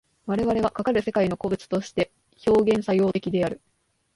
我々はかかる世界の個物として表現作用的である。